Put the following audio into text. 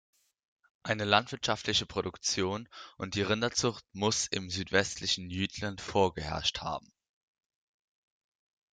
Eine landwirtschaftliche Produktion und die Rinderzucht muss im südwestlichen Jütland vorgeherrscht haben.